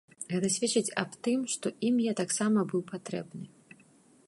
Гэта сведчыць ад тым, што ім я таксама быў патрэбны.